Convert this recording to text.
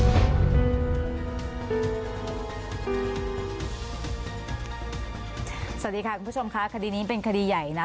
สวัสดีค่ะคุณผู้ชมค่ะคดีนี้เป็นคดีใหญ่นะ